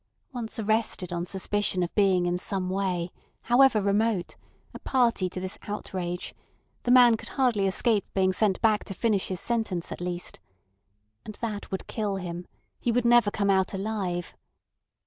Once arrested on suspicion of being in some way, however remote, a party to this outrage, the man could hardly escape being sent back to finish his sentence at least. And that would kill him; he would never come out alive.